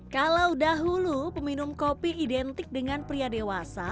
kalau dahulu peminum kopi identik dengan pria dewasa